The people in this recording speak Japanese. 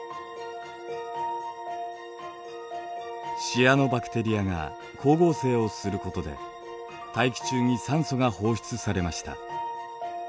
シアノバクテリアが光合成をすることで大気中に酸素が放出されました。